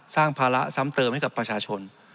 ภาระซ้ำเติมให้กับประชาชน